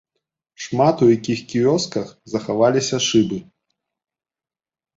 Шмат у якіх кіёсках захаваліся шыбы.